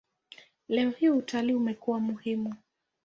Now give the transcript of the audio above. Leo hii utalii umekuwa muhimu.